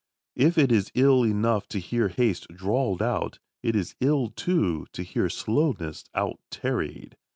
If it is ill enough to hear haste drawled out, it is ill, too, to hear slowness out tarried.